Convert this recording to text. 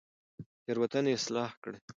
تېروتنې اصلاح کړئ.